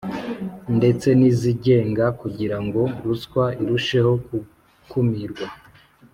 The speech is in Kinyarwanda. ndetse n Izigenga kugira ngo ruswa irusheho gukumirwa